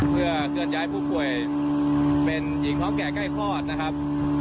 เพื่อเคลื่อนย้ายผู้ป่วยเป็นหญิงท้องแก่ใกล้คลอดนะครับ